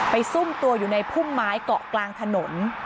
ซุ่มตัวอยู่ในพุ่มไม้เกาะกลางถนน